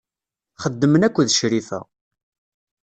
Xeddmen akked Crifa.